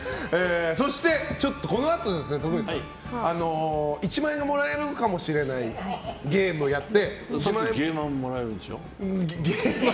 そして、このあと徳光さん１万円がもらえるかもしれないゲームをやって。